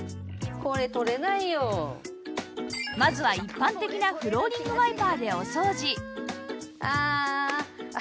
まずは一般的なフローリングワイパーでお掃除ああ。